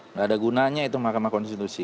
tidak ada gunanya itu mk